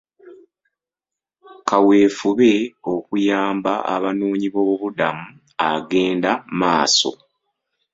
Kaweefube okuyamba abanoonyi b'obubuddamu agenda maaso.